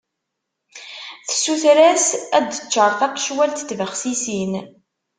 Tessuter-as ad d-teččar taqecwalt n tbexsisin.